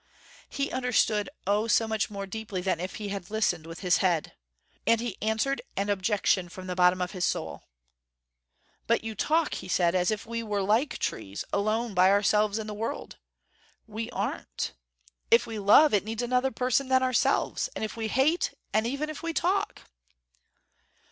He understood, oh so much more deeply than if he had listened with his head. And he answered an objection from the bottom of his soul. "But you talk," he said, "as if we were like trees, alone by ourselves in the world. We aren't. If we love, it needs another person than ourselves. And if we hate, and even if we talk."